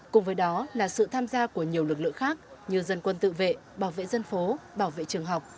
cùng với đó là sự tham gia của nhiều lực lượng khác như dân quân tự vệ bảo vệ dân phố bảo vệ trường học